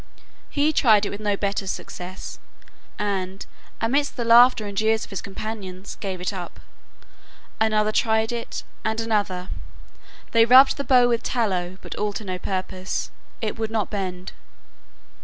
He tried it with no better success, and, amidst the laughter and jeers of his companions, gave it up. Another tried it and another; they rubbed the bow with tallow, but all to no purpose; it would not bend.